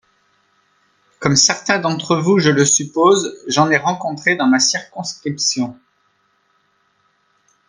Comme certains d’entre vous je le suppose, j’en ai rencontré dans ma circonscription.